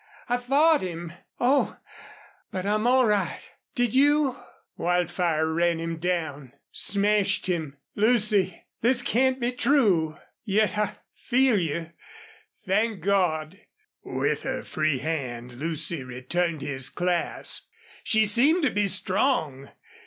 I fought him! Oh! ... But I'm all right.... Did you " "Wildfire ran him down smashed him.... Lucy! this can't be true.... Yet I feel you! Thank God!" With her free hand Lucy returned his clasp. She seemed to be strong.